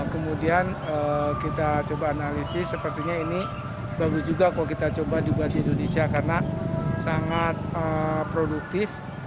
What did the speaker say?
kemudian kita coba analisis sepertinya ini bagus juga kalau kita coba juga di indonesia karena sangat produktif